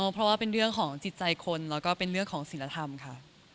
เพราะว่าเป็นเรื่องของจิตใจคนแล้วก็เป็นเรื่องของศิลธรรมค่ะ